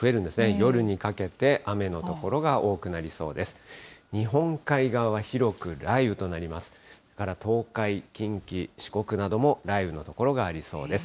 夜にかけて雨の所が多くなりそうです。